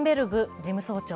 事務総長。